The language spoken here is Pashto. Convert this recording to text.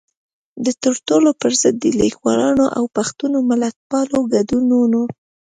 د تړلو پر ضد د ليکوالانو او پښتنو ملتپالو ګوندونو